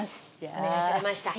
お願いされました。